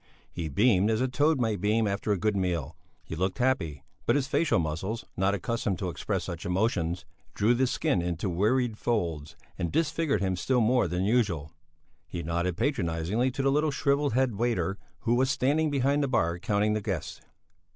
He beamed as a toad may beam after a good meal; he looked happy, but his facial muscles, not accustomed to express such emotions, drew the skin into worried folds and disfigured him still more than usual. He nodded patronizingly to the little shrivelled head waiter who was standing behind the bar counting the guests.